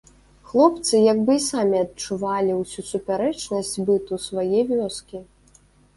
Хлопцы як бы і самі адчувалі ўсю супярэчнасць быту свае вёскі.